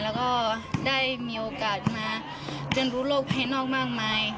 แล้วก็ได้มีโอกาสมาเรียนรู้โลกภายนอกมากมาย